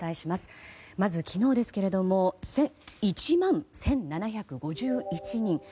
まず昨日ですけれども１万１７５１人。